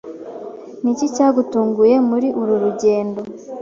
Ni iki cyagutunguye muri uru rugendo